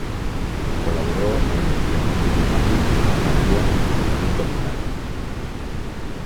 Colaboró en "Le Monde diplomatique", "La Nación" y "Punto Final".